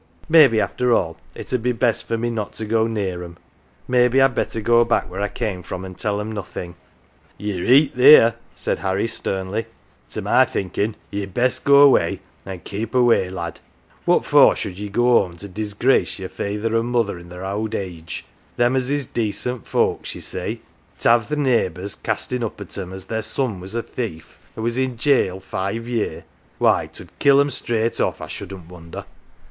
"Maybe, after all, it 'ud be best for me not to go near 'em. 242 "OUR JOE" Maybe I'd better go back where I came from an" 1 tell ''em nothing." " Ye're reet theer," said Harry, sternly. " To my thinkin' ye'd best go away an' keep away, lad. What for should ye go home to disgrace yer feyther an 1 mother i' their owd age them as is decent folks, ye say ? T'ave th' neighbours eastin' ifp at 'em, as their son was a thief, an 1 was i' jail five year? Why t\id kill ""em straight off, I shouldn't wonder.